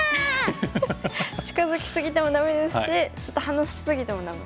近づき過ぎてもダメですしちょっと離し過ぎてもダメ。